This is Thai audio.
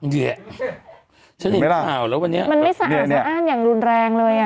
เห็นไหมล่ะมันไม่สะอาดอย่างรุนแรงเลย